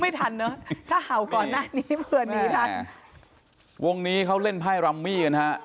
ทันเนอะถ้าเห่าก่อนหน้านี้เบื่อหนีทันวงนี้เขาเล่นไพ่รัมมี่กันฮะ